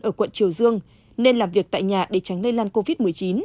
ở quận triều dương nên làm việc tại nhà để tránh lây lan covid một mươi chín